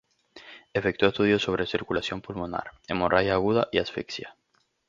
Efectuó estudios sobre circulación pulmonar, hemorragia aguda y asfixia.